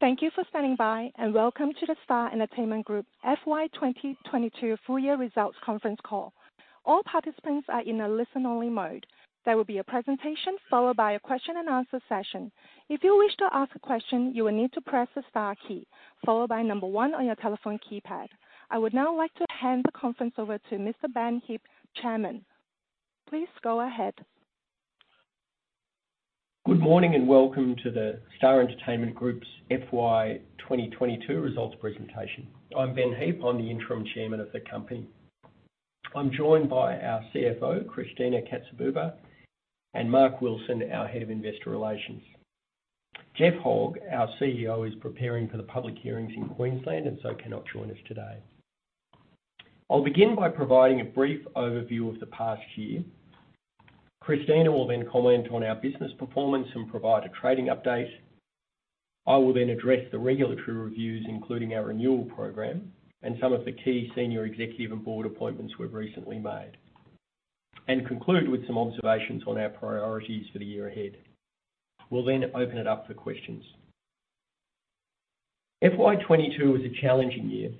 Thank you for standing by, and welcome to The Star Entertainment Group FY 2022 full year Results Conference Call. All participants are in a listen-only mode. There will be a presentation followed by a question and answer session. If you wish to ask a question, you will need to press the star key followed by number one on your telephone keypad. I would now like to hand the conference over to Mr. Ben Heap, Chairman. Please go ahead. Good morning, and welcome to The Star Entertainment Group's FY 2022 results presentation. I'm Ben Heap. I'm the interim chairman of the company. I'm joined by our CFO, Christina Katsibouba, and Mark Wilson, our head of investor relations. Geoff Hogg, our CEO, is preparing for the public hearings in Queensland and so cannot join us today. I'll begin by providing a brief overview of the past year. Christina will then comment on our business performance and provide a trading update. I will then address the regulatory reviews, including our renewal program, and some of the key senior executive and board appointments we've recently made, and conclude with some observations on our priorities for the year ahead. We'll then open it up for questions. FY 2022 was a challenging year.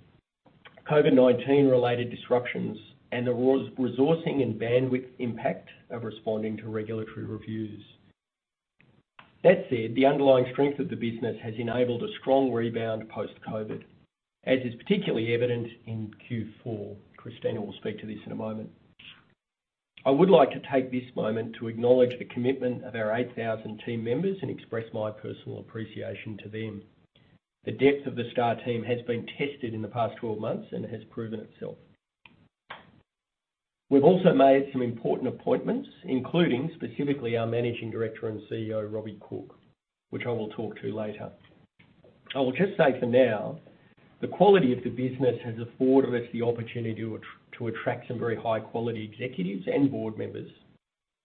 COVID-19 related disruptions and the resourcing and bandwidth impact of responding to regulatory reviews. That said, the underlying strength of the business has enabled a strong rebound post-COVID, as is particularly evident in Q4. Christina will speak to this in a moment. I would like to take this moment to acknowledge the commitment of our 8,000 team members and express my personal appreciation to them. The depth of the Star team has been tested in the past 12 months and has proven itself. We've also made some important appointments, including specifically our Managing Director and CEO, Robbie Cooke, which I will talk to later. I will just say for now, the quality of the business has afforded us the opportunity to attract some very high quality executives and board members,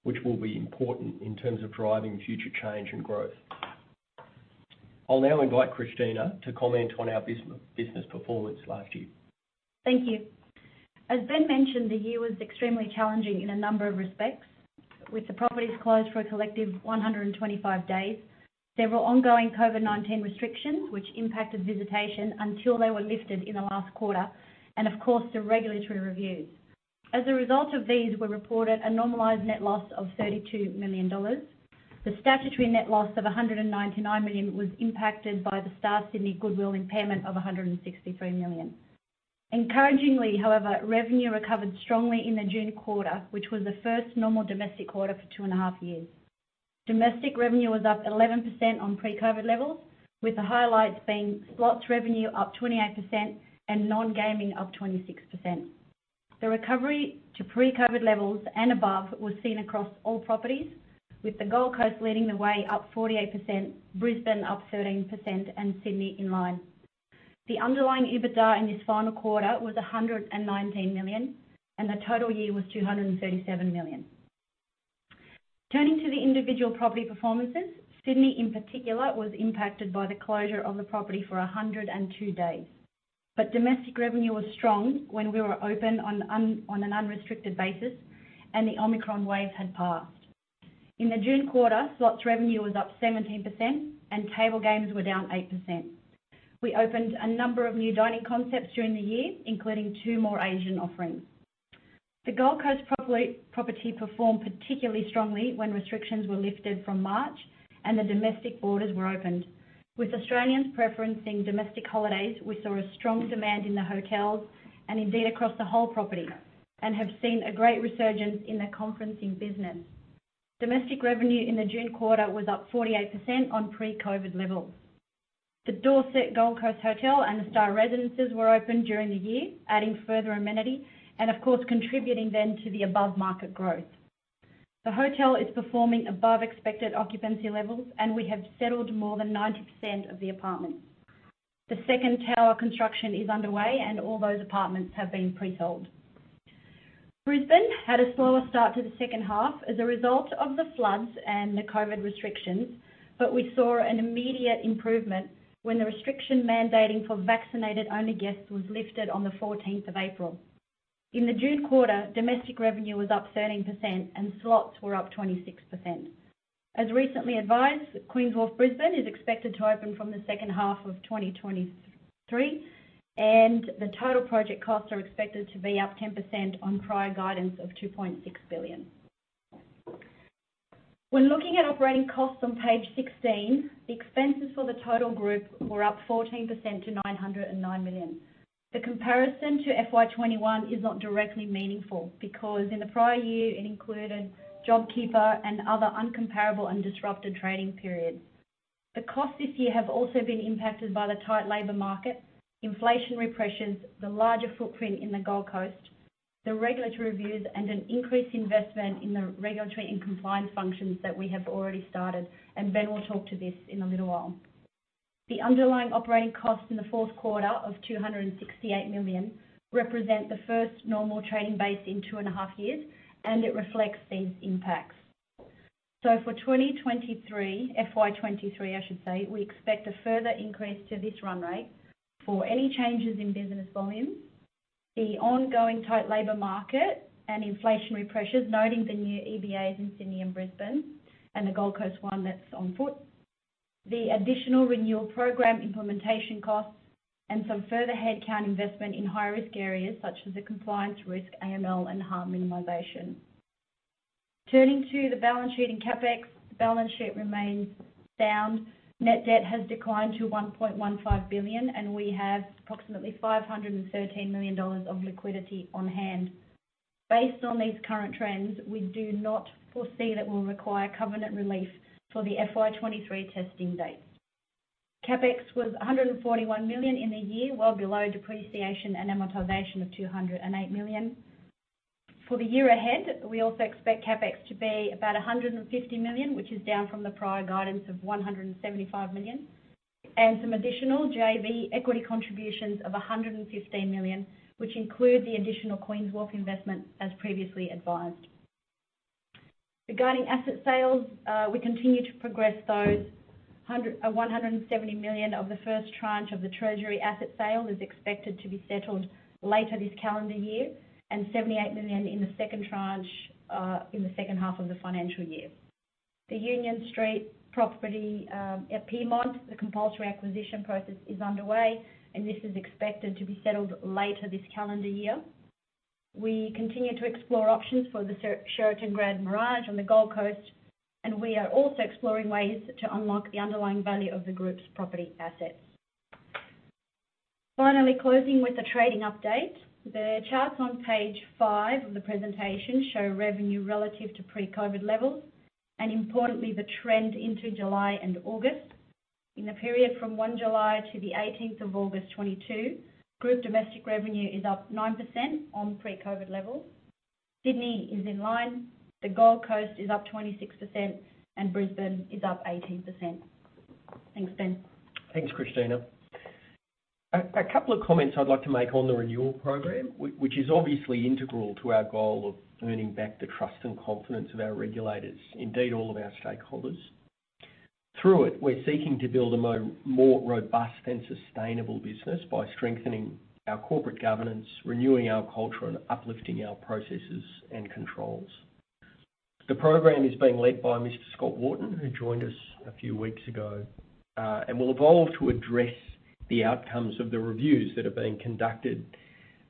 which will be important in terms of driving future change and growth. I'll now invite Christina to comment on our business performance last year. Thank you. As Ben mentioned, the year was extremely challenging in a number of respects. With the properties closed for a collective 125 days, several ongoing COVID-19 restrictions, which impacted visitation until they were lifted in the last quarter, and of course, the regulatory reviews. As a result of these, we reported a normalized net loss of $32 million. The statutory net loss of 199 million was impacted by the Star Sydney goodwill impairment of 163 million. Encouragingly, however, revenue recovered strongly in the June quarter, which was the first normal domestic quarter for 2.5 years. Domestic revenue was up 11% on pre-COVID levels, with the highlights being slots revenue up 28% and non-gaming up 26%. The recovery to pre-COVID levels and above was seen across all properties, with the Gold Coast leading the way up 48%, Brisbane up 13%, and Sydney in line. The underlying EBITDA in this final quarter was 119 million, and the total year was 237 million. Turning to the individual property performances, Sydney, in particular, was impacted by the closure of the property for 102 days. Domestic revenue was strong when we were open on an unrestricted basis, and the Omicron wave had passed. In the June quarter, slots revenue was up 17% and table games were down 8%. We opened a number of new dining concepts during the year, including two more Asian offerings. The Gold Coast property performed particularly strongly when restrictions were lifted from March and the domestic borders were opened. With Australians preferencing domestic holidays, we saw a strong demand in the hotels and indeed across the whole property, and have seen a great resurgence in the conferencing business. Domestic revenue in the June quarter was up 48% on pre-COVID levels. The Dorsett Gold Coast and The Star Residences were opened during the year, adding further amenity and of course, contributing then to the above market growth. The hotel is performing above expected occupancy levels, and we have settled more than 90% of the apartments. The second tower construction is underway, and all those apartments have been pre-sold. Brisbane had a slower start to the second half as a result of the floods and the COVID restrictions, but we saw an immediate improvement when the restriction mandating for vaccinated-only guests was lifted on the 14th of April. In the June quarter, domestic revenue was up 13% and slots were up 26%. As recently advised, Queen's Wharf Brisbane is expected to open from the second half of 2023, and the total project costs are expected to be up 10% on prior guidance of 2.6 billion. When looking at operating costs on page 16, the expenses for the total group were up 14% to 909 million. The comparison to FY 2021 is not directly meaningful because in the prior year, it included JobKeeper and other incomparable and disrupted trading periods. The costs this year have also been impacted by the tight labor market, inflationary pressures, the larger footprint in the Gold Coast, the regulatory reviews, and an increased investment in the regulatory and compliance functions that we have already started, and Ben will talk to this in a little while. The underlying operating costs in the fourth quarter of 268 million represent the first normal trading base in two and a half years, and it reflects these impacts. For 2023, FY 2023, I should say, we expect a further increase to this run rate for any changes in business volumes. The ongoing tight labor market and inflationary pressures, noting the new EBAs in Sydney and Brisbane, and the Gold Coast one that's on foot. The additional renewal program implementation costs and some further headcount investment in high-risk areas such as the compliance risk, AML and harm minimization. Turning to the balance sheet and CapEx. Balance sheet remains sound. Net debt has declined to 1.15 billion, and we have approximately 513 million dollars of liquidity on hand. Based on these current trends, we do not foresee that we'll require covenant relief for the FY 2023 testing date. CapEx was 141 million in the year, well below depreciation and amortization of 208 million. For the year ahead, we also expect CapEx to be about 150 million, which is down from the prior guidance of 175 million, and some additional JV equity contributions of 115 million, which include the additional Queen's Wharf investment as previously advised. Regarding asset sales, we continue to progress those. 170 million of the first tranche of the treasury asset sale is expected to be settled later this calendar year, and 78 million in the second tranche, in the second half of the financial year. The Union Street property at Pyrmont, the compulsory acquisition process is underway, and this is expected to be settled later this calendar year. We continue to explore options for the Sheraton Grand Mirage on the Gold Coast, and we are also exploring ways to unlock the underlying value of the group's property assets. Finally, closing with the trading update. The charts on page five of the presentation show revenue relative to pre-COVID levels, and importantly, the trend into July and August. In the period from 1 July to 18 August 2022, group domestic revenue is up 9% on pre-COVID levels. Sydney is in line, the Gold Coast is up 26%, and Brisbane is up 18%. Thanks, Ben. Thanks, Christina. A couple of comments I'd like to make on the renewal program, which is obviously integral to our goal of earning back the trust and confidence of our regulators. Indeed, all of our stakeholders. Through it, we're seeking to build a more robust and sustainable business by strengthening our corporate governance, renewing our culture, and uplifting our processes and controls. The program is being led by Mr. Scott Wharton, who joined us a few weeks ago, and will evolve to address the outcomes of the reviews that are being conducted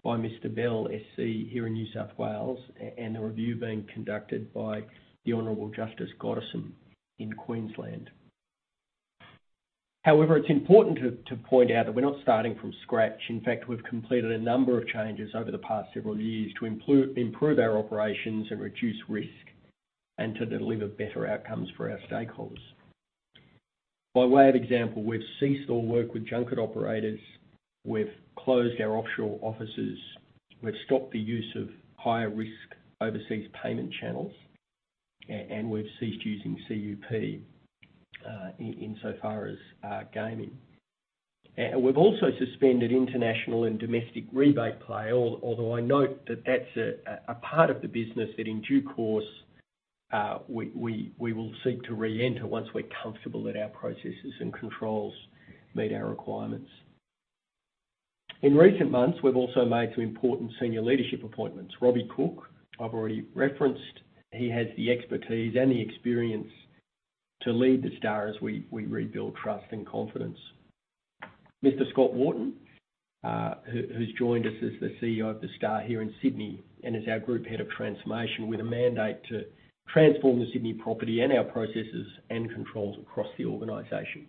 by Mr. Bell SC here in New South Wales, and the review being conducted by the Honorable Justice Gotterson in Queensland. However, it's important to point out that we're not starting from scratch. In fact, we've completed a number of changes over the past several years to improve our operations and reduce risk, and to deliver better outcomes for our stakeholders. By way of example, we've ceased all work with junket operators, we've closed our offshore offices, we've stopped the use of higher risk overseas payment channels, and we've ceased using CUP insofar as gaming. We've also suspended international and domestic rebate play, although I note that that's a part of the business that in due course we will seek to re-enter once we're comfortable that our processes and controls meet our requirements. In recent months, we've also made some important senior leadership appointments. Robbie Cooke, I've already referenced. He has the expertise and the experience to lead The Star as we rebuild trust and confidence. Mr. Scott Wharton, who's joined us as the CEO of The Star here in Sydney, and is our Group Head of Transformation with a mandate to transform the Sydney property and our processes and controls across the organization.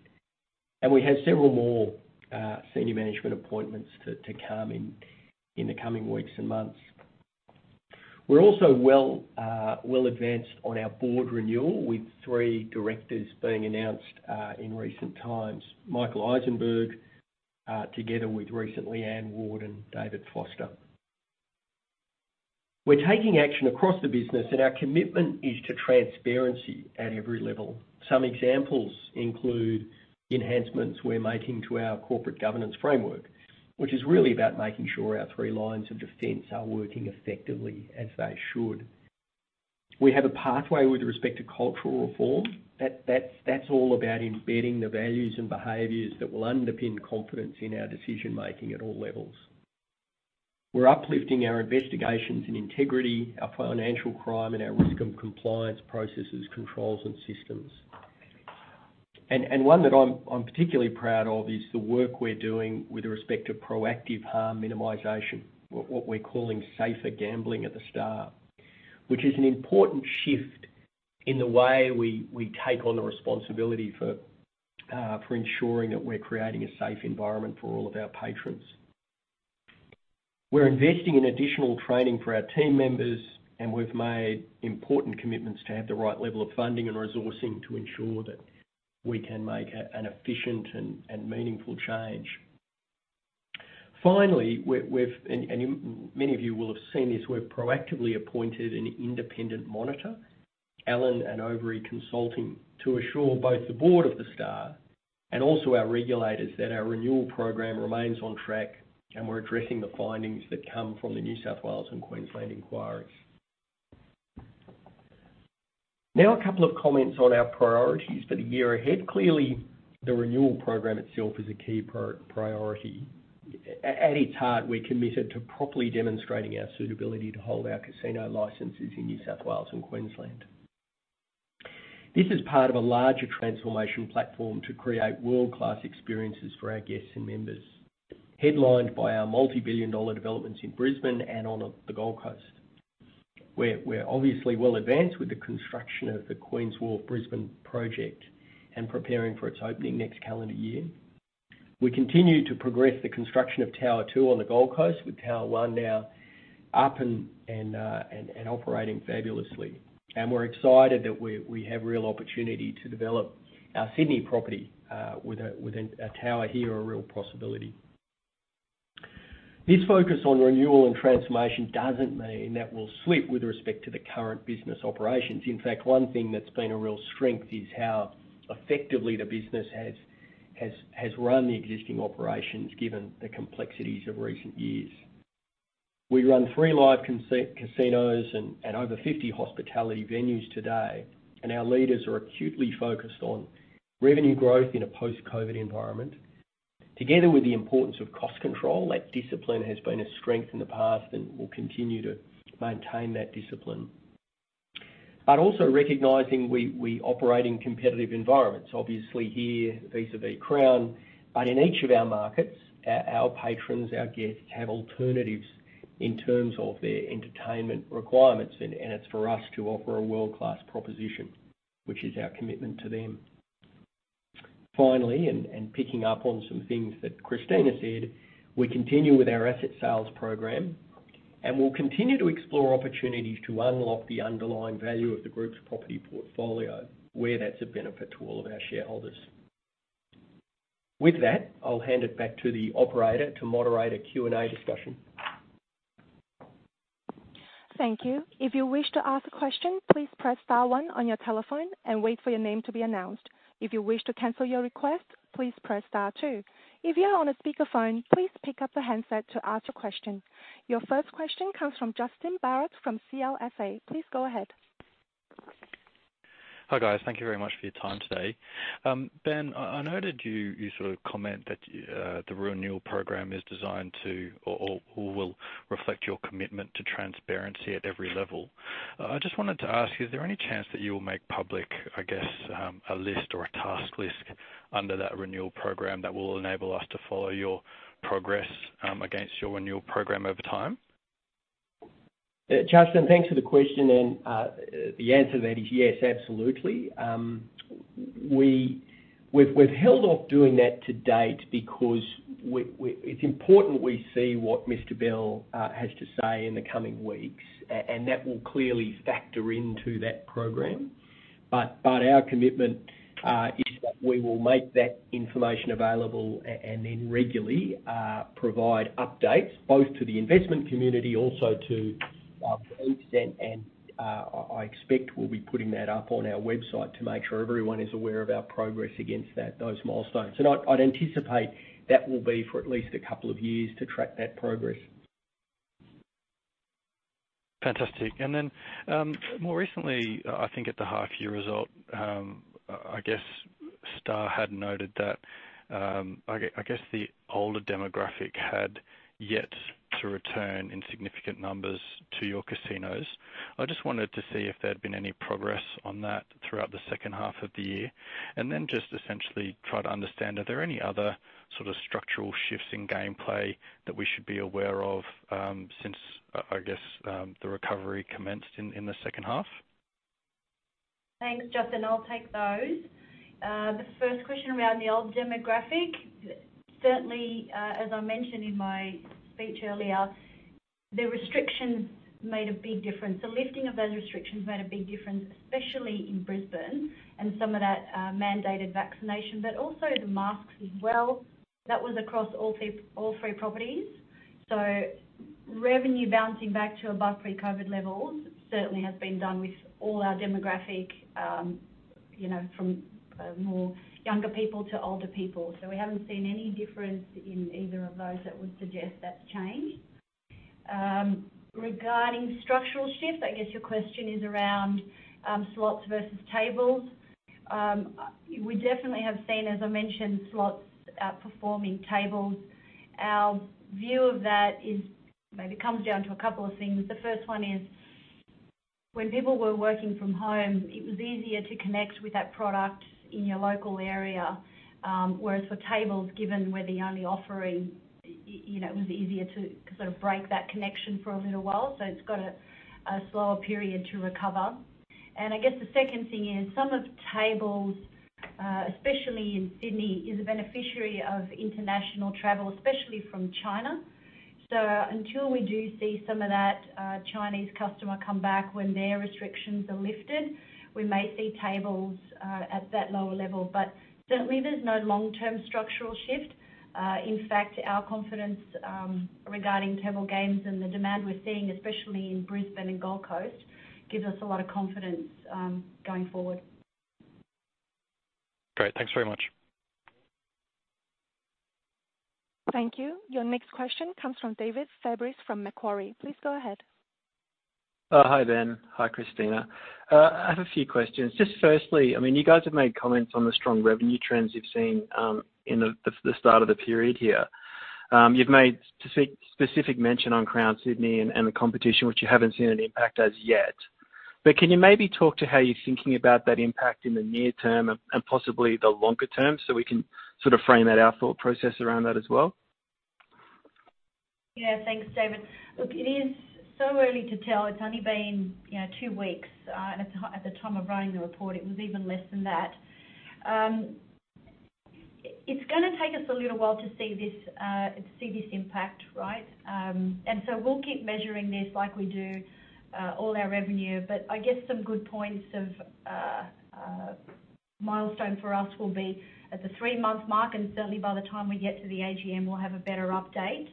We have several more senior management appointments to come in the coming weeks and months. We're also well advanced on our board renewal, with three Directors being announced in recent times. Michael Issenberg, together with recently Anne Ward and David Foster. We're taking action across the business, and our commitment is to transparency at every level. Some examples include enhancements we're making to our corporate governance framework, which is really about making sure our three lines of defense are working effectively as they should. We have a pathway with respect to cultural reform. That's all about embedding the values and behaviors that will underpin confidence in our decision-making at all levels. We're uplifting our investigations in integrity, our financial crime, and our risk and compliance processes, controls and systems. One that I'm particularly proud of is the work we're doing with respect to proactive harm minimization. What we're calling safer gambling at The Star, which is an important shift in the way we take on the responsibility for ensuring that we're creating a safe environment for all of our patrons. We're investing in additional training for our team members, and we've made important commitments to have the right level of funding and resourcing to ensure that we can make an efficient and meaningful change. Finally, many of you will have seen this. We've proactively appointed an independent monitor, Allen & Overy Consulting, to assure both the board of The Star and also our regulators that our renewal program remains on track and we're addressing the findings that come from the New South Wales and Queensland inquiries. Now a couple of comments on our priorities for the year ahead. Clearly, the renewal program itself is a key priority. At its heart, we're committed to properly demonstrating our suitability to hold our casino licenses in New South Wales and Queensland. This is part of a larger transformation platform to create world-class experiences for our guests and members, headlined by our multi-billion dollar developments in Brisbane and on the Gold Coast. We're obviously well advanced with the construction of the Queen's Wharf Brisbane project and preparing for its opening next calendar year. We continue to progress the construction of tower 2 on the Gold Coast, with tower 1 now up and operating fabulously. We're excited that we have real opportunity to develop our Sydney property, with a tower here a real possibility. This focus on renewal and transformation doesn't mean that we'll slip with respect to the current business operations. In fact, one thing that's been a real strength is how effectively the business has run the existing operations given the complexities of recent years. We run three live casinos and over 50 hospitality venues today, and our leaders are acutely focused on revenue growth in a post-COVID environment together with the importance of cost control. That discipline has been a strength in the past and will continue to maintain that discipline. Also recognizing we operate in competitive environments, obviously here vis-a-vis Crown. In each of our markets, our patrons, our guests have alternatives in terms of their entertainment requirements. It's for us to offer a world-class proposition, which is our commitment to them. Finally, and picking up on some things that Christina said, we continue with our asset sales program, and we'll continue to explore opportunities to unlock the underlying value of the group's property portfolio, where that's a benefit to all of our shareholders. With that, I'll hand it back to the operator to moderate a Q&A discussion. Thank you. If you wish to ask a question, please press star one on your telephone and wait for your name to be announced. If you wish to cancel your request, please press star two. If you are on a speakerphone, please pick up the handset to ask a question. Your first question comes from Justin Barratt from CLSA. Please go ahead. Hi, guys. Thank you very much for your time today. Ben, I noted you sort of comment that the renewal program will reflect your commitment to transparency at every level. I just wanted to ask, is there any chance that you will make public, I guess, a list or a task list under that renewal program that will enable us to follow your progress against your renewal program over time? Justin, thanks for the question. The answer to that is yes, absolutely. We've held off doing that to date because it's important we see what Mr. Bell has to say in the coming weeks. That will clearly factor into that program. Our commitment is that we will make that information available and then regularly provide updates, both to the investment community, also to for each. I expect we'll be putting that up on our website to make sure everyone is aware of our progress against those milestones. I'd anticipate that will be for at least a couple of years to track that progress. Fantastic. More recently, I think at the half year result, I guess Star had noted that, I guess the older demographic had yet to return in significant numbers to your casinos. I just wanted to see if there had been any progress on that throughout the second half of the year. Just essentially try to understand, are there any other sort of structural shifts in gameplay that we should be aware of, since the recovery commenced in the second half? Thanks, Justin. I'll take those. The first question around the older demographic. Certainly, as I mentioned in my speech earlier, the restrictions made a big difference. The lifting of those restrictions made a big difference, especially in Brisbane and some of that, mandated vaccination, but also the masks as well. That was across all three properties. Revenue bouncing back to above pre-COVID levels certainly has been done with all our demographic, from more younger people to older people. We haven't seen any difference in either of those that would suggest that's changed. Regarding structural shifts, I guess your question is around slots versus tables. We definitely have seen, as I mentioned, slots outperforming tables. Our view of that is. Maybe it comes down to a couple of things. The first one is when people were working from home, it was easier to connect with that product in your local area. Whereas for tables, given we're the only offering, you know, it was easier to sort of break that connection for a little while. It's got a slower period to recover. I guess the second thing is some of tables, especially in Sydney, is a beneficiary of international travel, especially from China. Until we do see some of that Chinese customer come back when their restrictions are lifted, we may see tables at that lower level. Certainly, there's no long-term structural shift. In fact, our confidence regarding table games and the demand we're seeing, especially in Brisbane and Gold Coast, gives us a lot of confidence going forward. Great. Thanks very much. Thank you. Your next question comes from David Fabris from Macquarie. Please go ahead. Hi, Ben. Hi, Christina. I have a few questions. Just firstly, I mean, you guys have made comments on the strong revenue trends you've seen, in the start of the period here. You've made specific mention on Crown Sydney and the competition, which you haven't seen an impact as yet. Can you maybe talk to how you're thinking about that impact in the near term and possibly the longer term so we can sort of frame that out for a process around that as well? Yeah. Thanks, David. Look, it is so early to tell. It's only been, you know, two weeks. At the time of writing the report, it was even less than that. It's gonna take us a little while to see this impact, right? We'll keep measuring this like we do all our revenue. I guess some good points of milestone for us will be at the three-month mark, and certainly by the time we get to the AGM, we'll have a better update.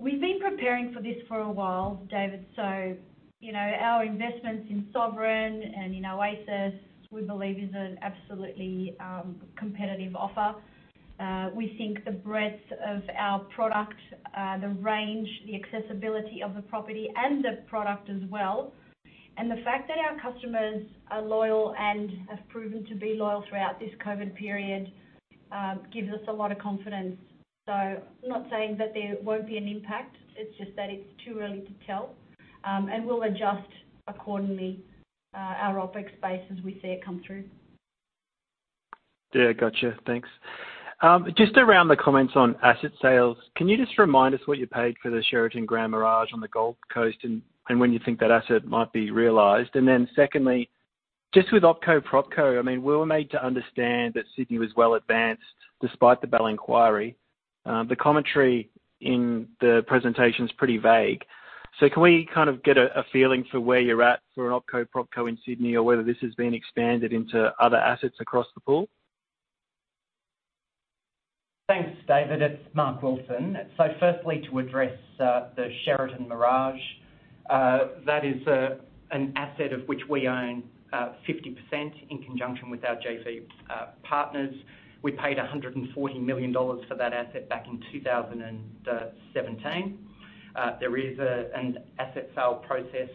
We've been preparing for this for a while, David, so, you know, our investments in Sovereign and in Oasis, we believe is an absolutely competitive offer. We think the breadth of our product, the range, the accessibility of the property and the product as well, and the fact that our customers are loyal and have proven to be loyal throughout this COVID period, gives us a lot of confidence. I'm not saying that there won't be an impact. It's just that it's too early to tell. We'll adjust accordingly, our OpEx spend as we see it come through. Yeah. Gotcha. Thanks. Just around the comments on asset sales, can you just remind us what you paid for the Sheraton Grand Mirage on the Gold Coast and when you think that asset might be realized? Then secondly, just with OpCo/PropCo, I mean, we were made to understand that Sydney was well advanced despite the Bergin Review. The commentary in the presentation's pretty vague. Can we kind of get a feeling for where you're at for an OpCo/PropCo in Sydney or whether this has been expanded into other assets across the portfolio? Thanks, David. It's Mark Wilson. Firstly, to address the Sheraton Grand Mirage, that is an asset of which we own 50% in conjunction with our JV partners. We paid 140 million dollars for that asset back in 2017. There is an asset sale process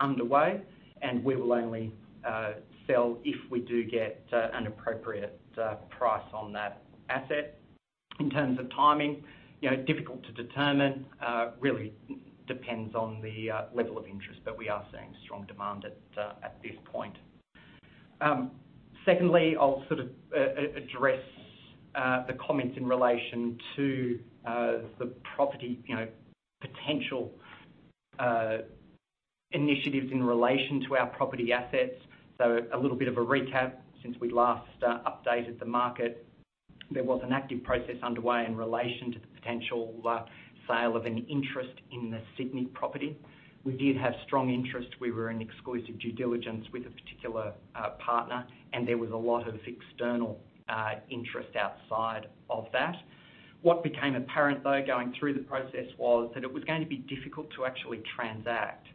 underway, and we will only sell if we do get an appropriate price on that asset. In terms of timing, you know, difficult to determine. Really depends on the level of interest, but we are seeing strong demand at this point. Secondly, I'll sort of address the comments in relation to the property, you know, potential initiatives in relation to our property assets. A little bit of a recap since we last updated the market. There was an active process underway in relation to the potential sale of an interest in the Sydney property. We did have strong interest. We were in exclusive due diligence with a particular partner, and there was a lot of external interest outside of that. What became apparent, though, going through the process was that it was going to be difficult to actually transact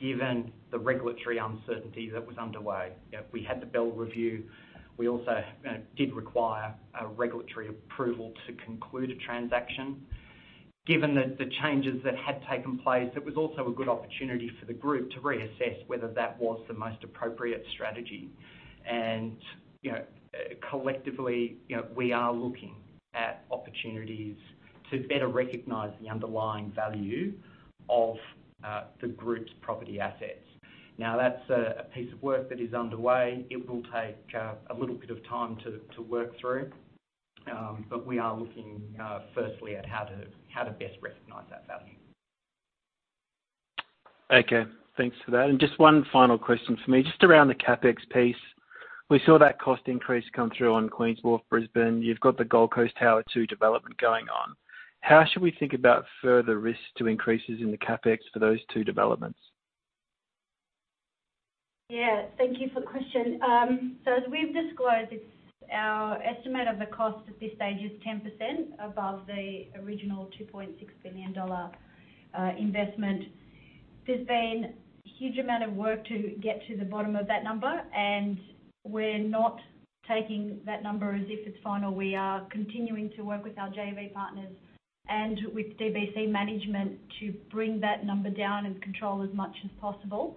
given the regulatory uncertainty that was underway. You know, we had the Bergin Review. We also did require a regulatory approval to conclude a transaction. Given the changes that had taken place, it was also a good opportunity for the Group to reassess whether that was the most appropriate strategy. You know, collectively, you know, we are looking at opportunities to better recognize the underlying value of the Group's property assets. Now, that's a piece of work that is underway. It will take a little bit of time to work through. We are looking firstly at how to best recognize that value. Okay. Thanks for that. Just one final question for me. Just around the CapEx piece, we saw that cost increase come through on Queen's Wharf Brisbane. You've got the Gold Coast Tower Two development going on. How should we think about further risks to increases in the CapEx for those two developments? Yeah. Thank you for the question. So as we've disclosed, it's our estimate of the cost at this stage is 10% above the original $2.6 billion investment. There's been huge amount of work to get to the bottom of that number, and we're not taking that number as if it's final. We are continuing to work with our JV partners and with DBC management to bring that number down and control as much as possible.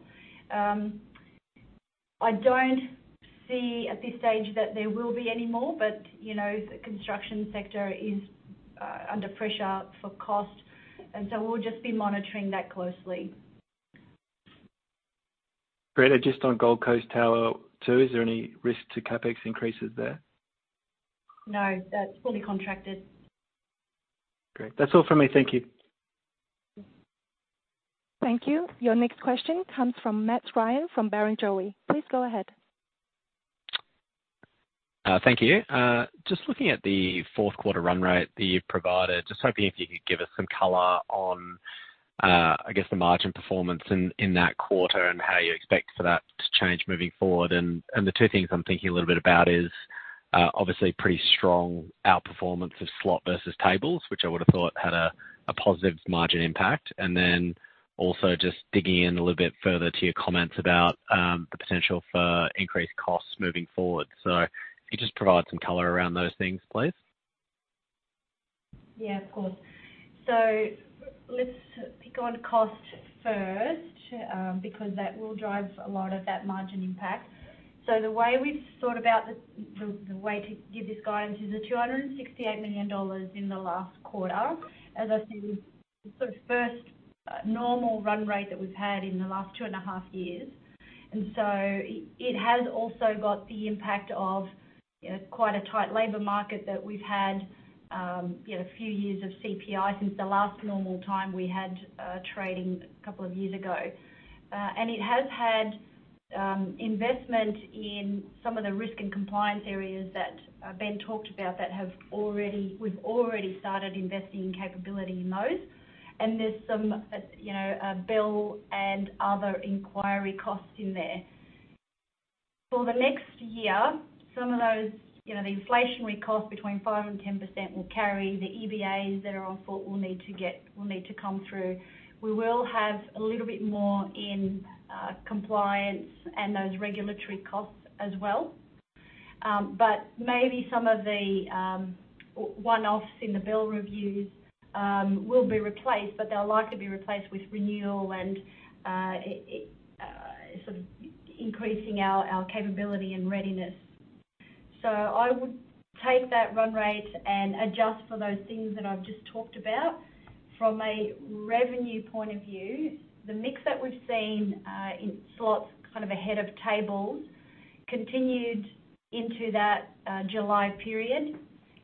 I don't see at this stage that there will be any more, but you know, the construction sector is under pressure for cost. We'll just be monitoring that closely. Great, just on Gold Coast Tower 2, is there any risk to CapEx increases there? No, that's fully contracted. Great. That's all for me. Thank you. Thank you. Your next question comes from Matt Ryan from Barrenjoey. Please go ahead. Thank you. Just looking at the fourth quarter run rate that you've provided, just hoping if you could give us some color on, I guess, the margin performance in that quarter and how you expect for that to change moving forward. The two things I'm thinking a little bit about is obviously pretty strong outperformance of slot versus tables, which I would have thought had a positive margin impact. Then also just digging in a little bit further to your comments about the potential for increased costs moving forward. Can you just provide some color around those things, please? Yeah, of course. Let's pick on cost first, because that will drive a lot of that margin impact. The way we've thought about the way to give this guidance is the $268 million in the last quarter, as I said, is the sort of first normal run rate that we've had in the last 2.5 Years. It has also got the impact of, you know, quite a tight labor market that we've had, you know, a few years of CPI since the last normal time we had, trading a couple of years ago. And it has had investment in some of the risk and compliance areas that, Ben talked about that we've already started investing in capability in those. There's some, you know, Bergin and other inquiry costs in there. For the next year, some of those, you know, the inflationary costs between 5%-10% will carry. The EBAs that are on foot will need to come through. We will have a little bit more in compliance and those regulatory costs as well. But maybe some of the one-offs in the Bergin Reviews will be replaced, but they'll likely be replaced with renewal and sort of increasing our capability and readiness. I would take that run rate and adjust for those things that I've just talked about. From a revenue point of view, the mix that we've seen in Slots kind of ahead of Table continued into that July period.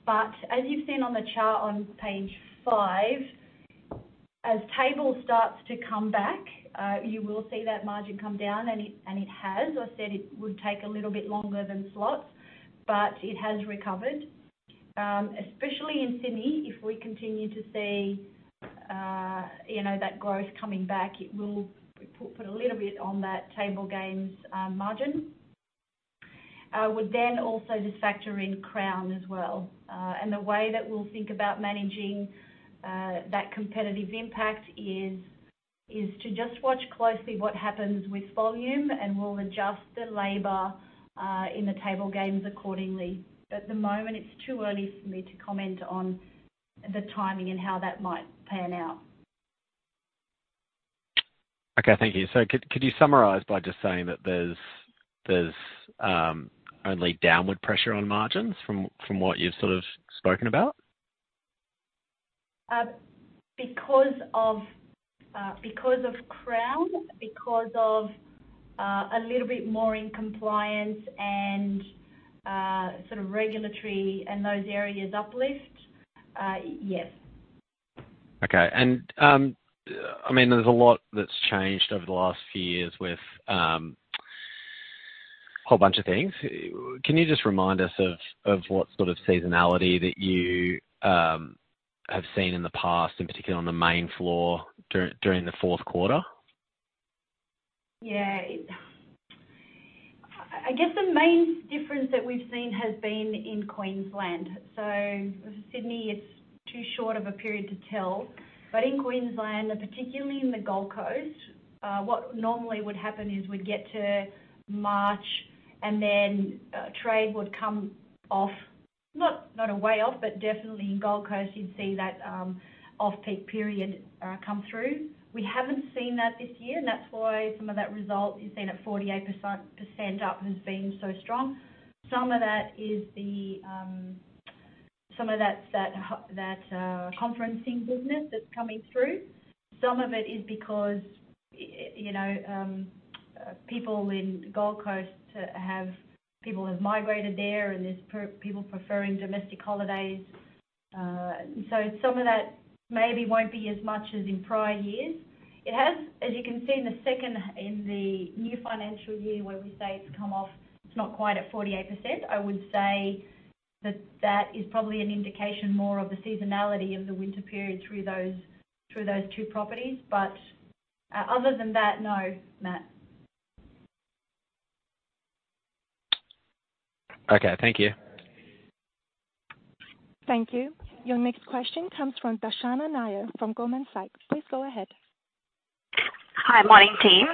As you've seen on the chart on page five, as table starts to come back, you will see that margin come down, and it has. I said it would take a little bit longer than slots, but it has recovered. Especially in Sydney, if we continue to see, you know, that growth coming back, it will put a little bit on that table games margin. Would then also just factor in Crown as well. The way that we'll think about managing that competitive impact is to just watch closely what happens with volume, and we'll adjust the labor in the table games accordingly. At the moment, it's too early for me to comment on the timing and how that might pan out. Okay. Thank you. Could you summarize by just saying that there's only downward pressure on margins from what you've sort of spoken about? Because of Crown, because of a little bit more in compliance and sort of regulatory and those areas uplift, yes. Okay. I mean, there's a lot that's changed over the last few years with a whole bunch of things. Can you just remind us of what sort of seasonality you have seen in the past, in particular on the main floor during the fourth quarter? Yeah. I guess the main difference that we've seen has been in Queensland. Sydney, it's too short of a period to tell. In Queensland, particularly in the Gold Coast, what normally would happen is we'd get to March and then trade would come off. Not a way off, but definitely in Gold Coast, you'd see that off-peak period come through. We haven't seen that this year, and that's why some of that result you've seen at 48% up has been so strong. Some of that is the some of that's that conferencing business that's coming through. Some of it is because, you know, people in Gold Coast have migrated there, and there's people preferring domestic holidays. Some of that maybe won't be as much as in prior years. It has, as you can see in the second, in the new financial year where we say it's come off, it's not quite at 48%, I would say that that is probably an indication more of the seasonality of the winter period through those two properties. But, other than that, no, Matt. Okay. Thank you. Thank you. Your next question comes from Darshana Nair from Goldman Sachs. Please go ahead. Morning, team.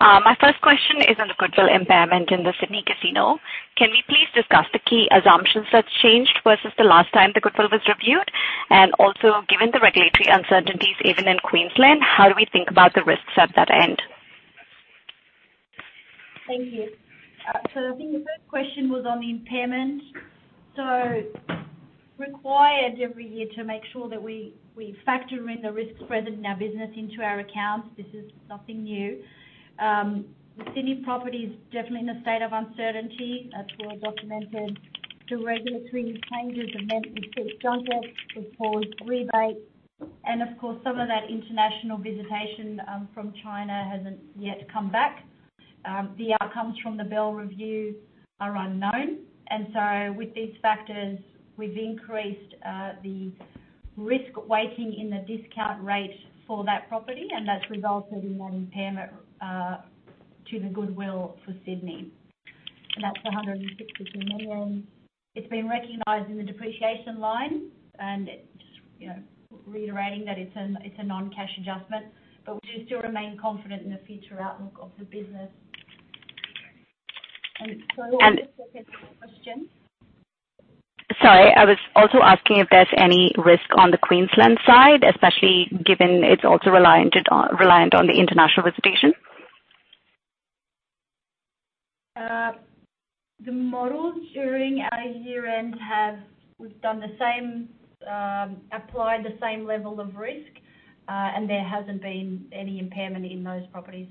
My first question is on the goodwill impairment in the Sydney casino. Can we please discuss the key assumptions that's changed versus the last time the goodwill was reviewed? Also, given the regulatory uncertainties even in Queensland, how do we think about the risks at that end? Thank you. I think the first question was on the impairment. Required every year to make sure that we factor in the risks present in our business into our accounts. This is nothing new. The Sydney property is definitely in a state of uncertainty. That's well documented. The regulatory changes have meant we seek judgment, we've paused rebates, and of course, some of that international visitation from China hasn't yet come back. The outcomes from the Bergin Review are unknown. With these factors, we've increased the risk weighting in the discount rate for that property, and that's resulted in that impairment to the goodwill for Sydney. That's the 162 million. It's been recognized in the depreciation line, and it's, you know, reiterating that it's a non-cash adjustment, but we do still remain confident in the future outlook of the business. Sorry, what was the second part of the question? Sorry, I was also asking if there's any risk on the Queensland side, especially given it's also reliant on the international visitation. The models during our year-end. We've done the same, applied the same level of risk, and there hasn't been any impairment in those properties.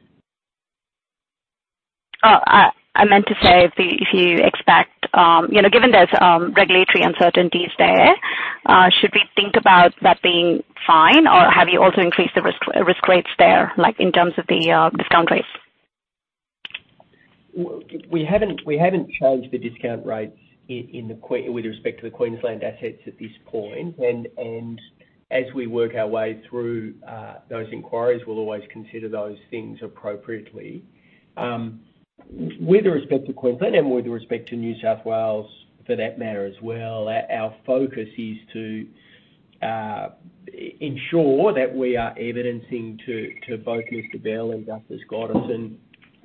I meant to say if you expect, you know, given there's regulatory uncertainties there, should we think about that being fine, or have you also increased the risk rates there, like in terms of the discount rates? We haven't changed the discount rates with respect to the Queensland assets at this point. As we work our way through those inquiries, we'll always consider those things appropriately. With respect to Queensland and with respect to New South Wales for that matter as well, our focus is to ensure that we are evidencing to both Mr. Bell and Justice Gotterson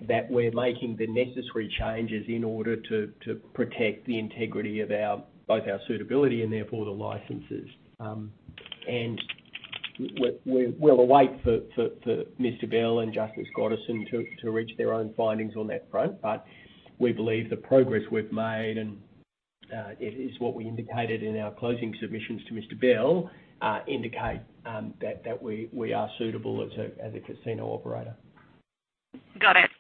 that we're making the necessary changes in order to protect the integrity of both our suitability and therefore the licenses. We'll await for Mr. Bell and Justice Gotterson to reach their own findings on that front. We believe the progress we've made and is what we indicated in our closing submissions to Mr. Bell indicate that we are suitable as a casino operator. Got it.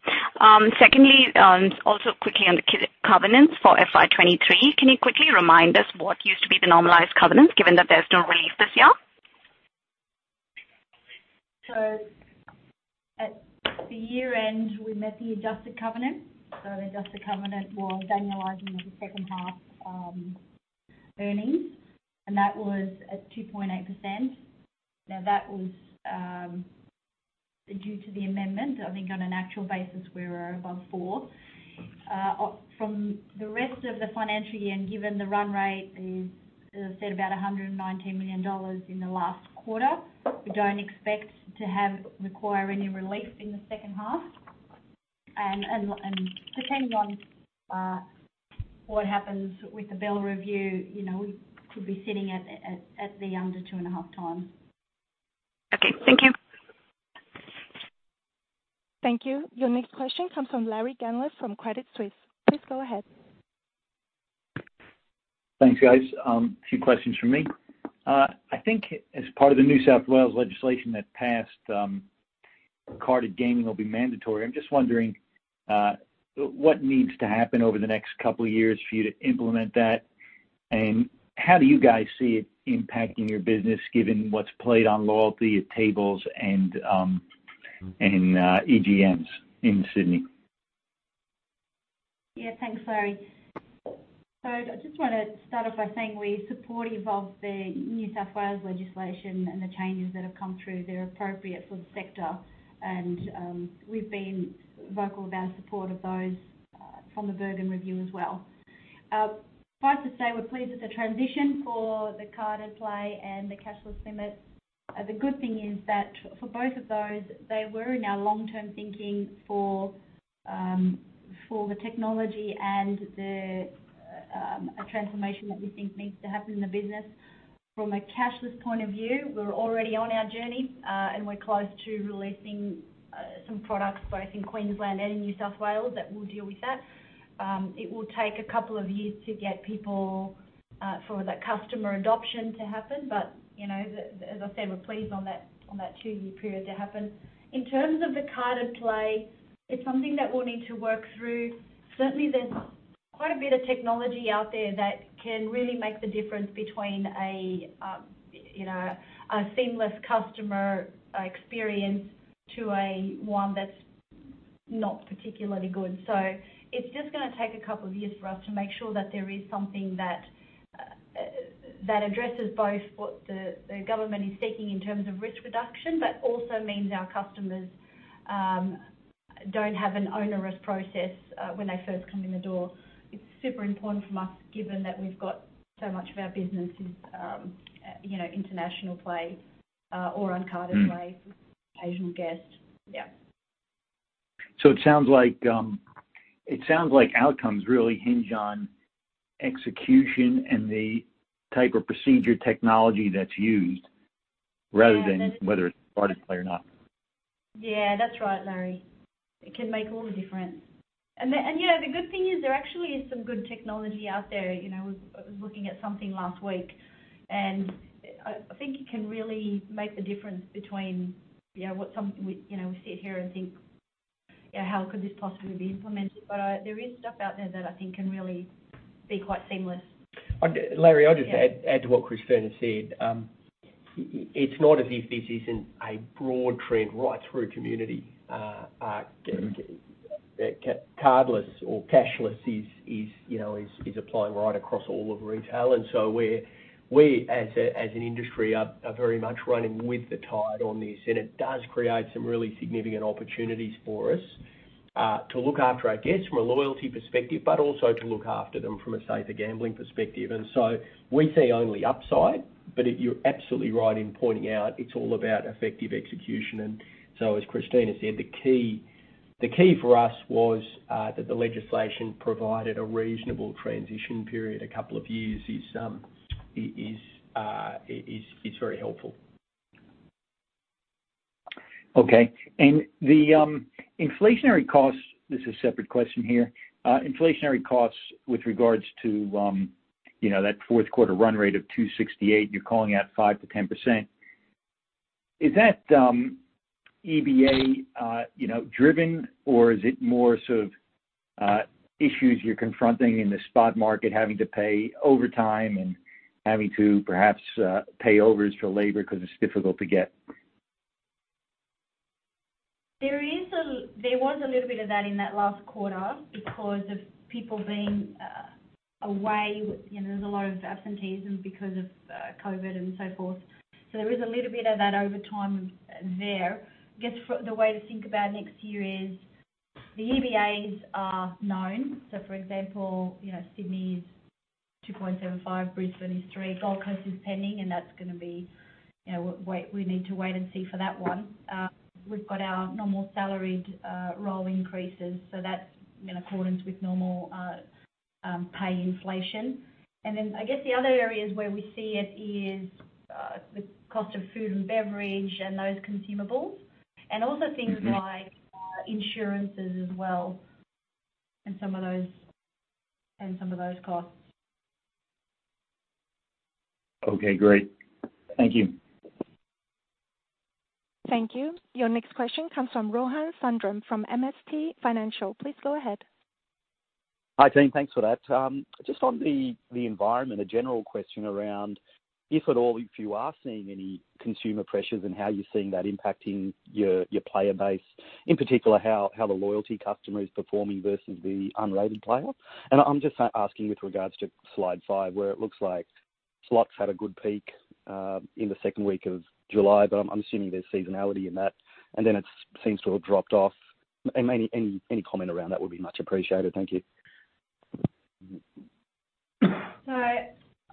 Secondly, also quickly on the covenants for FY 2023. Can you quickly remind us what used to be the normalized covenants given that there's no relief this year? At the year-end, we met the adjusted covenant. The adjusted covenant was annualizing of the second half earnings, and that was at 2.8%. Now, that was due to the amendment. I think on an actual basis, we were above 4%. From the rest of the financial year and given the run rate is, as I said, about 119 million dollars in the last quarter, we don't expect to require any relief in the second half. Depending on what happens with the Bergin Review, we could be sitting at under 2.5x. Okay. Thank you. Thank you. Your next question comes from Larry Gandler from Credit Suisse. Please go ahead. Thanks, guys. A few questions from me. I think as part of the New South Wales legislation that passed, carded gaming will be mandatory. I'm just wondering what needs to happen over the next couple of years for you to implement that, and how do you guys see it impacting your business given what's played on loyalty at tables and EGMs in Sydney? Yeah. Thanks, Larry. I just want to start off by saying we're supportive of the New South Wales legislation and the changes that have come through. They're appropriate for the sector, and we've been vocal about our support of those from the Bergin Review as well. Suffice to say, we're pleased with the transition for the carded play and the cashless limits. The good thing is that for both of those, they were in our long-term thinking for the technology and a transformation that we think needs to happen in the business. From a cashless point of view, we're already on our journey, and we're close to releasing some products both in Queensland and in New South Wales that will deal with that. It will take a couple of years to get people for the customer adoption to happen. You know, the, as I said, we're pleased on that two-year period to happen. In terms of the carded play, it's something that we'll need to work through. Certainly, there's quite a bit of technology out there that can really make the difference between a you know, a seamless customer experience to a one that's not particularly good. It's just gonna take a couple of years for us to make sure that there is something that addresses both what the government is seeking in terms of risk reduction, but also means our customers don't have an onerous process when they first come in the door. It's super important for us given that we've got so much of our business is, you know, international play or uncarded play. Mm. Asian guests. Yeah. It sounds like outcomes really hinge on execution and the type of procedure technology that's used rather than. Yeah, that's. whether it's carded play or not. Yeah, that's right, Larry. It can make all the difference. You know, the good thing is there actually is some good technology out there. You know, I was looking at something last week, and I think it can really make the difference between, you know, what we, you know, we sit here and think, you know, "How could this possibly be implemented?" There is stuff out there that I think can really be quite seamless. Larry, I'll just add to what Christina said. It's not as if this isn't a broad trend right through community. Mm-hmm. Cardless or cashless is, you know, applying right across all of retail. We as an industry are very much running with the tide on this, and it does create some really significant opportunities for us to look after our guests from a loyalty perspective, but also to look after them from a safer gambling perspective. We see only upside, but you're absolutely right in pointing out it's all about effective execution. As Christina said, the key for us was that the legislation provided a reasonable transition period. A couple of years is very helpful. Okay. The inflationary costs, this is a separate question here. Inflationary costs with regards to, you know, that fourth quarter run rate of 268, you're calling out 5%-10%. Is that, EBA, you know, driven, or is it more sort of, issues you're confronting in the spot market, having to pay overtime and having to perhaps, pay overs for labor 'cause it's difficult to get? There was a little bit of that in that last quarter because of people being away. You know, there's a lot of absenteeism because of COVID and so forth. There is a little bit of that overtime there. I guess the way to think about next year is the EBAs are known. For example, you know Sydney's 2.75%, Brisbane is 3%, Gold Coast is pending, and that's gonna be, you know, we need to wait and see for that one. We've got our normal salaried roll increases, so that's in accordance with normal pay inflation. Then I guess the other areas where we see it is the cost of food and beverage and those consumables. Also things like insurances as well and some of those costs. Okay, great. Thank you. Thank you. Your next question comes from Rohan Sundram from MST Financial. Please go ahead. Hi, team. Thanks for that. Just on the environment, a general question around if at all, if you are seeing any consumer pressures and how you're seeing that impacting your player base, in particular, how the loyalty customer is performing versus the unrated player. I'm just asking with regards to slide five, where it looks like slots had a good peak in the second week of July, but I'm assuming there's seasonality in that. Then it seems to have dropped off. Any comment around that would be much appreciated. Thank you.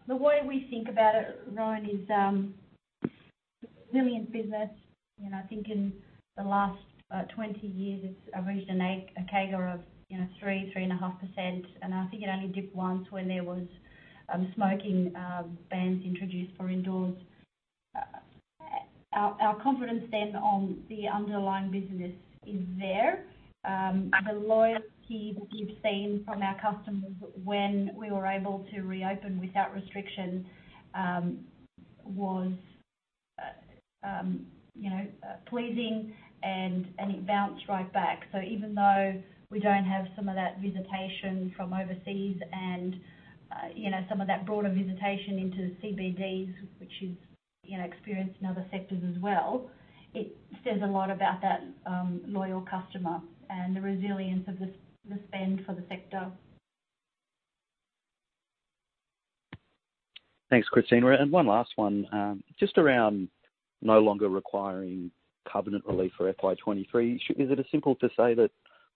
The way we think about it, Rohan, is really in business, you know, I think in the last 20 years it's averaged a CAGR of 3%-3.5%, and I think it only dipped once when there was indoor smoking bans introduced. Our confidence then on the underlying business is there. The loyalty that you've seen from our customers when we were able to reopen without restriction was pleasing and it bounced right back. Even though we don't have some of that visitation from overseas and you know, some of that broader visitation into CBDs, which is you know, experienced in other sectors as well, it says a lot about that loyal customer and the resilience of the spend for the sector. Thanks, Christina. One last one, just around no longer requiring covenant relief for FY 2023. Is it as simple to say that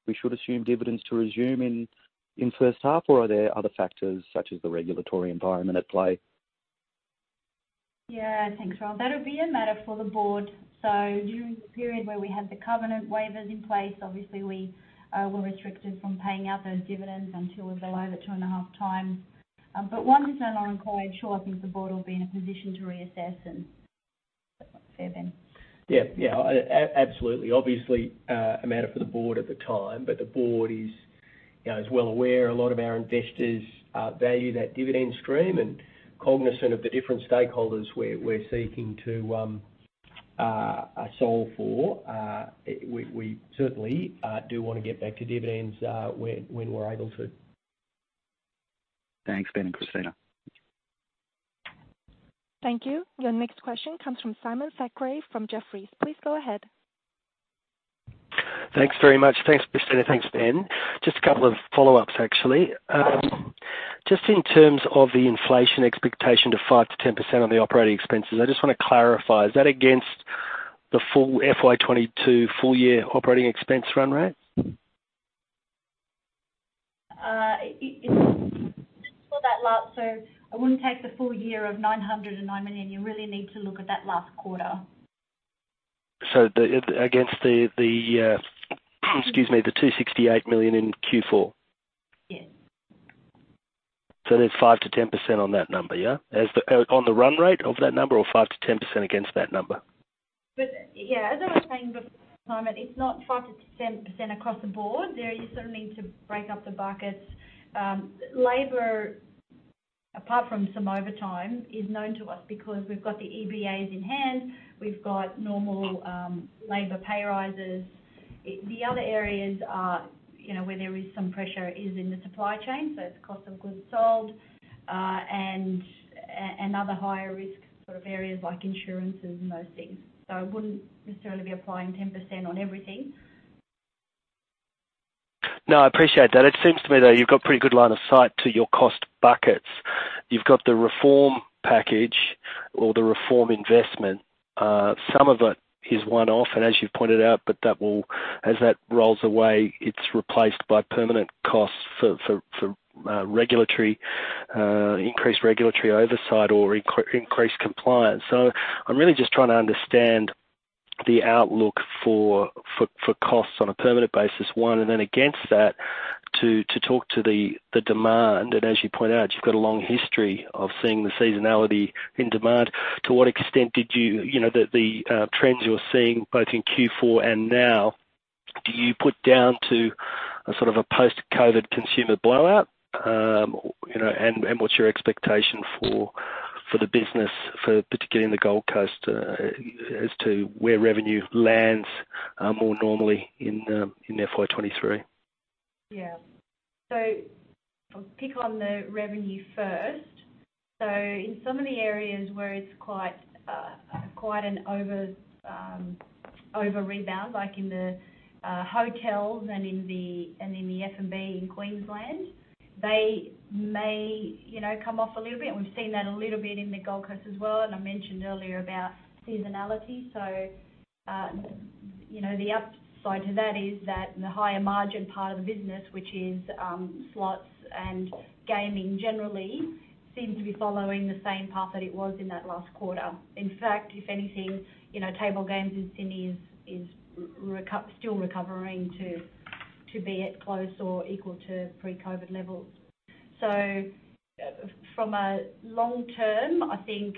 we should assume dividends to resume in first half, or are there other factors such as the regulatory environment at play? Yeah. Thanks, Rohan. That'll be a matter for the board. During the period where we had the covenant waivers in place, obviously we were restricted from paying out those dividends until we were below the 2.5x. Once it's no longer in play, sure, I think the board will be in a position to reassess. Fair, Ben. Yeah. Yeah. Absolutely. Obviously, a matter for the board at the time, but the board, you know, is well aware a lot of our investors value that dividend stream. Cognizant of the different stakeholders we're seeking to solve for, we certainly do wanna get back to dividends when we're able to. Thanks, Ben and Christina. Thank you. Your next question comes from Simon Thackray from Jefferies. Please go ahead. Thanks very much. Thanks, Christina. Thanks, Ben. Just a couple of follow-ups, actually. Just in terms of the inflation expectation to 5%-10% on the operating expenses, I just wanna clarify, is that against the full FY 2022 full year operating expense run rate? It's for that last, so I wouldn't take the full year of 909 million. You really need to look at that last quarter. Against the AUD 268 million in Q4? Yes. there's 5%-10% on that number, yeah? or on the run rate of that number or 5%-10% against that number? Yeah, as I was saying before, Simon, it's not 5%-10% across the board. There you sort of need to break up the buckets. Labor, apart from some overtime, is known to us because we've got the EBAs in hand. We've got normal labor pay rises. The other areas are, you know, where there is some pressure is in the supply chain, so it's cost of goods sold and other higher risk sort of areas like insurances and those things. So I wouldn't necessarily be applying 10% on everything. No, I appreciate that. It seems to me that you've got pretty good line of sight to your cost buckets. You've got the reform package or the reform investment. Some of it is one-off and as you've pointed out, but that will, as that rolls away, it's replaced by permanent costs for regulatory Increased regulatory oversight or increased compliance. I'm really just trying to understand the outlook for costs on a permanent basis, one, and then against that, to talk to the trends you're seeing both in Q4 and now. Do you put down to a sort of a post-COVID consumer blowout? You know, what's your expectation for the business, particularly in the Gold Coast, as to where revenue lands more normally in FY 2023? Yeah. I'll pick on the revenue first. In some of the areas where it's quite an over rebound, like in the hotels and in the F&B in Queensland, they may, you know, come off a little bit, and we've seen that a little bit in the Gold Coast as well, and I mentioned earlier about seasonality. You know, the upside to that is that the higher margin part of the business, which is slots and gaming generally, seems to be following the same path that it was in that last quarter. In fact, if anything, you know, table games in Sydney is still recovering to be at close or equal to pre-COVID levels. From a long term, I think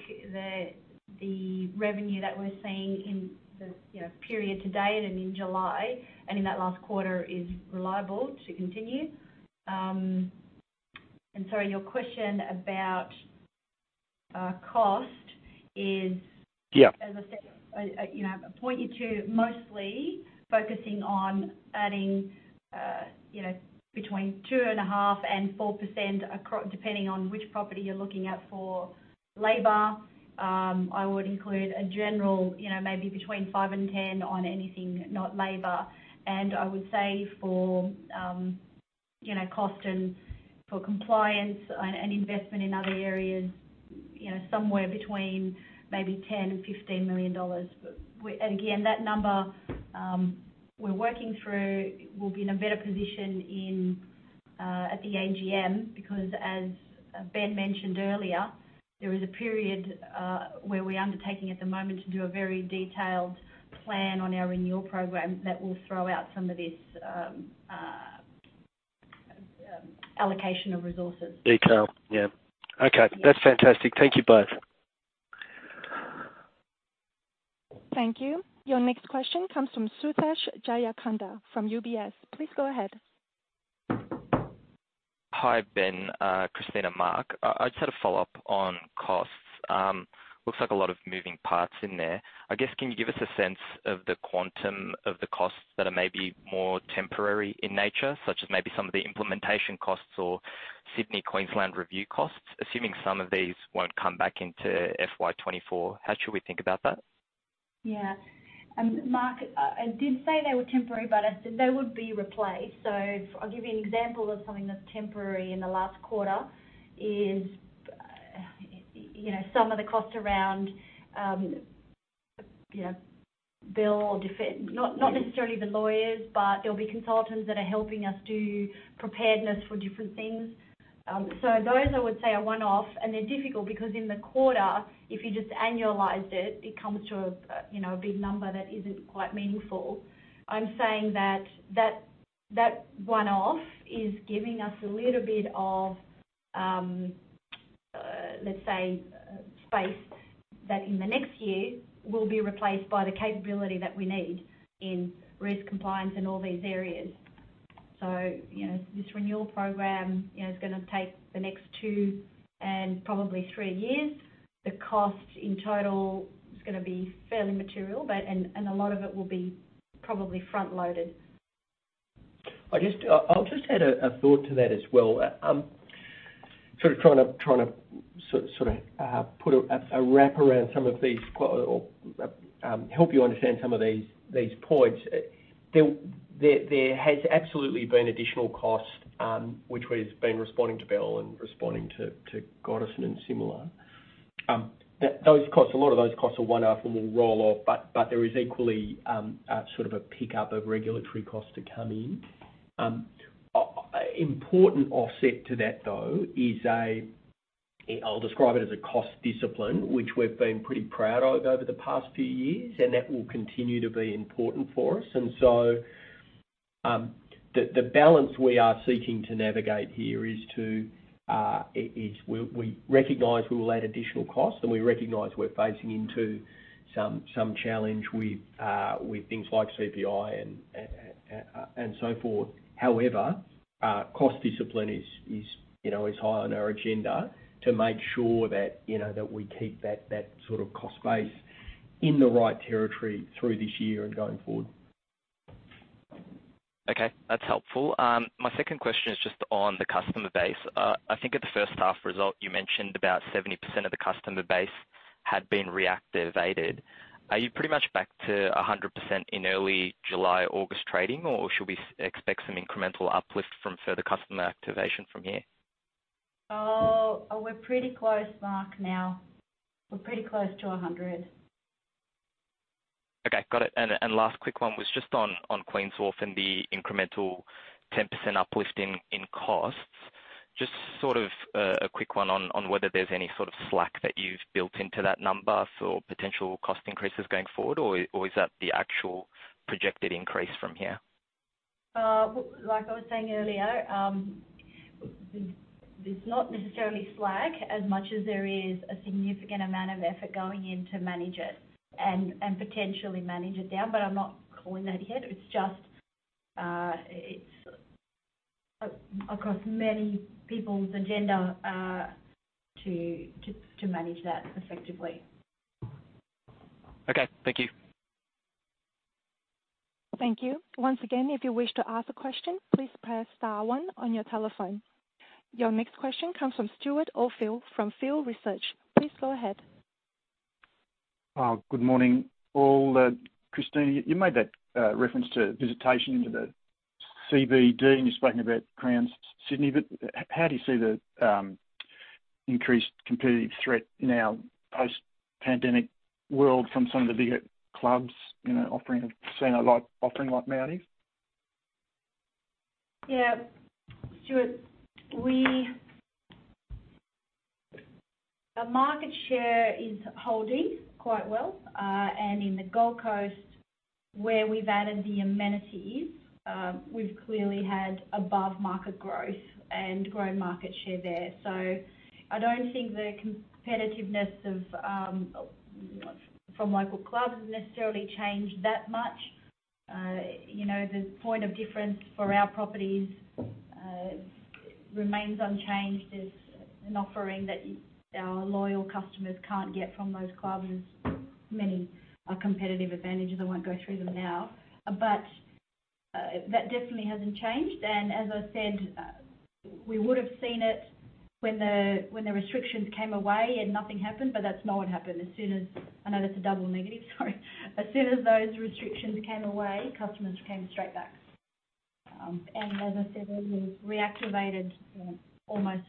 the revenue that we're seeing in the you know period to date and in July and in that last quarter is reliable to continue. Your question about cost is- Yeah As I said, you know, point you to mostly focusing on adding, you know, between 2.5% and 4% across depending on which property you're looking at for labor. I would include a general, you know, maybe between 5% and 10% on anything, not labor. I would say for cost and for compliance and investment in other areas, you know, somewhere between maybe 10 million and 15 million dollars. But again, that number, we're working through, we'll be in a better position at the AGM because as Ben mentioned earlier, there is a period where we're undertaking at the moment to do a very detailed plan on our renewal program that will throw out some of this allocation of resources. Detail. Yeah. Okay. That's fantastic. Thank you both. Thank you. Your next question comes from Suthesh Jeyakandan from UBS. Please go ahead. Hi, Ben, Christina, Mark. I just had a follow-up on costs. Looks like a lot of moving parts in there. I guess, can you give us a sense of the quantum of the costs that are maybe more temporary in nature, such as maybe some of the implementation costs or Sydney, Queensland review costs? Assuming some of these won't come back into FY 2024, how should we think about that? Yeah. Mark, I did say they were temporary, but I said they would be replaced. I'll give you an example of something that's temporary in the last quarter is, you know, some of the cost around, you know, not necessarily the lawyers, but there'll be consultants that are helping us do preparedness for different things. Those I would say are one-off, and they're difficult because in the quarter, if you just annualized it comes to a, you know, a big number that isn't quite meaningful. I'm saying that one-off is giving us a little bit of, let's say, space that in the next year will be replaced by the capability that we need in risk compliance in all these areas. You know, this renewal program, you know, is gonna take the next two and probably three years. The cost in total is gonna be fairly material, but and a lot of it will be probably front-loaded. I'll just add a thought to that as well. I'm sort of trying to sort of put a wrap around some of these or help you understand some of these points. There has absolutely been additional cost which we've been responding to Bell and responding to Gotterson and similar. Those costs, a lot of those costs are one-off and will roll off, but there is equally a sort of a pickup of regulatory costs to come in. Important offset to that, though, is I'll describe it as a cost discipline, which we've been pretty proud of over the past few years, and that will continue to be important for us. The balance we are seeking to navigate here is we recognize we will add additional costs and we recognize we're facing into some challenge with things like CPI and so forth. However, cost discipline is, you know, high on our agenda to make sure that, you know, that we keep that sort of cost base in the right territory through this year and going forward. Okay. That's helpful. My second question is just on the customer base. I think at the first half result, you mentioned about 70% of the customer base had been reactivated. Are you pretty much back to 100% in early July, August trading, or should we expect some incremental uplift from further customer activation from here? Oh, we're pretty close, Mark, now. We're pretty close to 100. Okay. Got it. Last quick one was just on Queen's Wharf and the incremental 10% uplift in costs. Just sort of a quick one on whether there's any sort of slack that you've built into that number for potential cost increases going forward, or is that the actual projected increase from here? Like I was saying earlier, there's not necessarily slack as much as there is a significant amount of effort going in to manage it and potentially manage it down. I'm not calling that yet. It's just across many people's agenda to manage that effectively. Okay, thank you. Thank you. Once again, if you wish to ask a question, please press star one on your telephone. Your next question comes from Stewart Oldfield from Field Research. Please go ahead. Good morning, all. Christine, you made that reference to visitation into the CBD, and you're speaking about Crown Sydney. How do you see the increased competitive threat in our post-pandemic world from some of the bigger clubs, you know, offering a similar offering like Mounties? Yeah. Stewart, Our market share is holding quite well. In the Gold Coast, where we've added the amenities, we've clearly had above-market growth and grown market share there. I don't think the competitiveness from local clubs has necessarily changed that much. You know, the point of difference for our properties remains unchanged. There's an offering that our loyal customers can't get from those clubs. Many are competitive advantages. I won't go through them now. That definitely hasn't changed. As I said, we would've seen it when the restrictions came away and nothing happened. That's not what happened. I know that's a double negative, sorry. As soon as those restrictions came away, customers came straight back. As I said earlier, we've reactivated almost,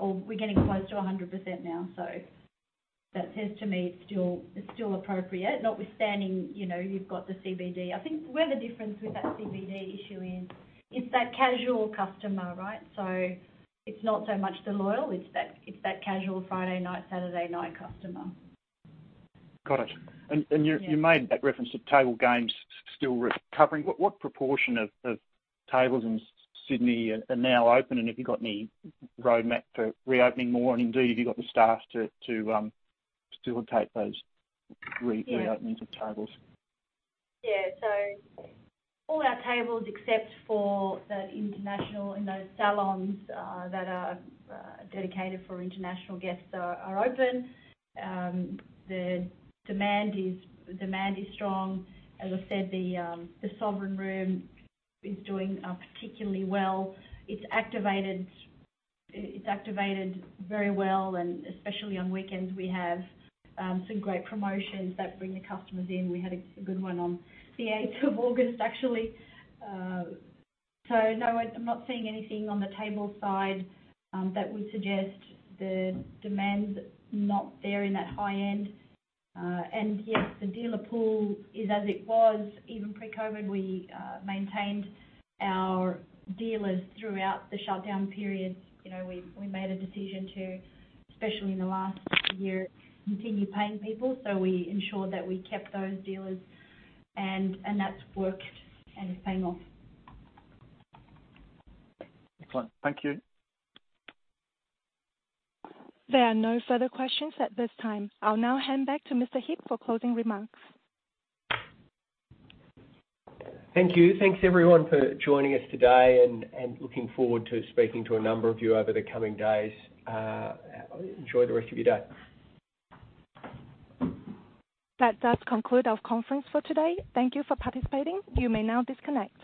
or we're getting close to 100% now. That says to me it's still appropriate, notwithstanding, you know, you've got the CBD. I think where the difference with that CBD issue is, it's that casual customer, right? It's not so much the loyal, it's that casual Friday night, Saturday night customer. Got it. Yeah. You made that reference to table games still recovering. What proportion of tables in Sydney are now open? Have you got any roadmap for reopening more? Indeed, have you got the staff to facilitate those re- Yeah. Reopenings of tables? Yeah. All our tables, except for that international and those salons that are dedicated for international guests are open. The demand is strong. As I said, the Sovereign Room is doing particularly well. It's activated very well, and especially on weekends, we have some great promotions that bring the customers in. We had a good one on the 8th of August, actually. No, I'm not seeing anything on the table side that would suggest the demand's not there in that high end. Yes, the dealer pool is as it was. Even pre-COVID, we maintained our dealers throughout the shutdown period. You know, we made a decision to, especially in the last year, continue paying people, so we ensured that we kept those dealers and that's worked and is paying off. Excellent. Thank you. There are no further questions at this time. I'll now hand back to Mr. Heap for closing remarks. Thank you. Thanks everyone for joining us today and looking forward to speaking to a number of you over the coming days. Enjoy the rest of your day. That does conclude our conference for today. Thank you for participating. You may now disconnect.